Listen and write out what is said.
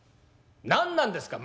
何なんですか！？